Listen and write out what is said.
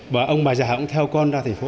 và ông bà già cũng theo con ra thành phố